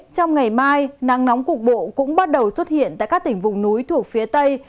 trong ngày mai nắng nóng cục bộ cũng bắt đầu xuất hiện tại các tỉnh vùng núi thuộc phía tây